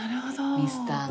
ミスターの。